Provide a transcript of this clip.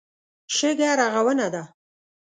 شګه رغونه ده.